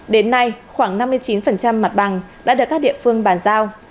đến nay khoảng năm mươi chín mặt bằng đã được các địa phương bàn giao